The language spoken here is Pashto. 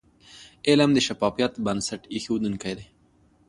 علم د شفافیت بنسټ ایښودونکی د.